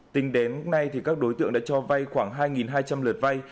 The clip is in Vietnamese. tính đến nay các đối tượng đã cho vay khoảng hai hai trăm linh lượt vay